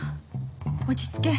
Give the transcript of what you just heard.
落ち着け